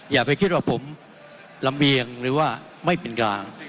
อย่าไปคิดว่าผมลำเรียงหรือว่าไม่เป็นกลาง